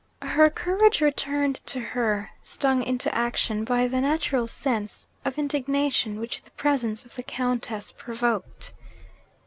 Her courage returned to her, stung into action by the natural sense of indignation which the presence of the Countess provoked.